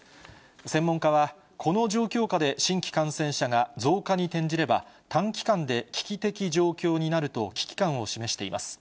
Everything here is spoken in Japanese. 専門家は、この状況下で新規感染者が増加に転じれば、短期間で危機的状況になると危機感を示しています。